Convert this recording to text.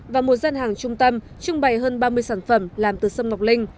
và một gian hàng trung tâm trưng bày hơn ba mươi sản phẩm làm từ sâm ngọc linh